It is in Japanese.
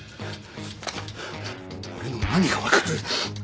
俺の何が分かる！